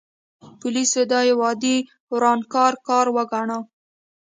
پولیسو دا یو عادي ورانکار کار وګاڼه.